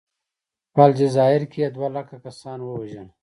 په الجزایر کې یې دوه لکه کسان ووژل.